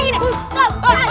bilang mau bebek kota